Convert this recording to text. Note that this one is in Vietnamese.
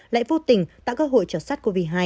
lại vô tình tạo cơ hội cho sars cov hai